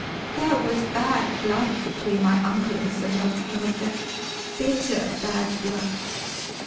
"There was bad blood between my uncle and Sir Ralph Droger bitter, bad blood.